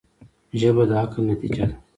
ژبه د عقل نتیجه ده